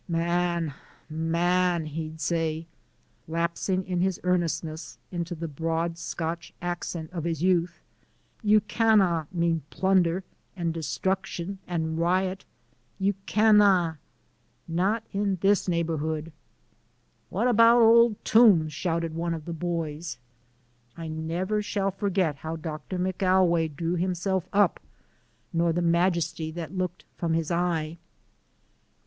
"Man, man," he'd say, lapsing in his earnestness into the broad Scotch accent of his youth, "you canna' mean plunder, and destruction, and riot! You canna! Not in this neighbourhood!" "What about Old Toombs?" shouted one of the boys. I never shall forget how Doctor McAlway drew himself up nor the majesty that looked from his eye.